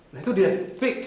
nah itu dia pi